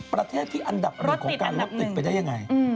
ประเทศที่อันดับหนึ่งของการรถติดไปได้ยังไง